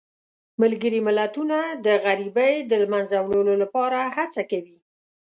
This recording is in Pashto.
ملګري ملتونه د غریبۍ د له منځه وړلو لپاره هڅه کوي.